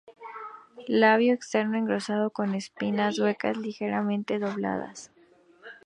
Labio externo engrosado y con espinas huecas ligeramente dobladas.